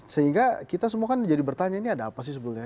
sehingga kita semua kan jadi bertanya ini ada apa sih sebetulnya